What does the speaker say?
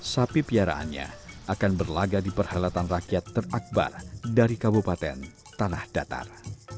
sapi piaraannya akan berlaga di perhelatan rakyat terakbar dari kabupaten tanah datar